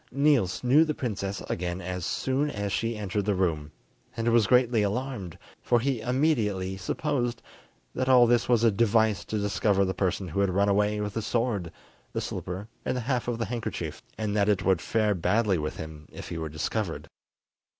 Niels knew the princess again as soon as she entered the room, and was greatly alarmed, for he immediately supposed that all this was a device to discover the person who had run away with the sword, the slipper and the half of the handkerchief, and that it would fare badly with him if he were discovered.